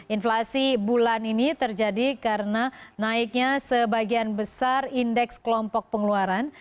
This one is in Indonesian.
inflasi bulan ini terjadi karena naiknya sebagian besar indeks kelompok pengeluaran